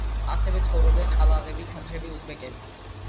ასევე ცხოვრობდნენ ყაზახები, თათრები, უზბეკები.